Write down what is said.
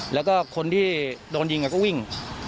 แล้วก็คนที่โดนยิงก็วิ่ง